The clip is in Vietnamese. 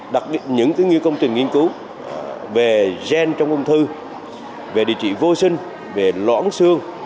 đặc biệt những công trình nghiên cứu về gen trong ung thư về địa chỉ vô sinh về loãng xương